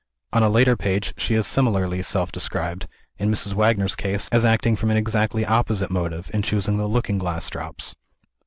On a later page, she is similarly self described in Mrs. Wagner's case as acting from an exactly opposite motive, in choosing the Looking Glass Drops.